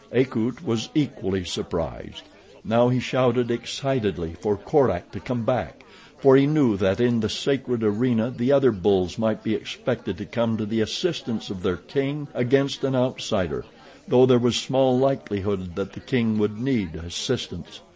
Akut was equally surprised. Now he shouted excitedly for Korak to come back, for he knew that in the sacred arena the other bulls might be expected to come to the assistance of their king against an outsider, though there was small likelihood that the king would need assistance.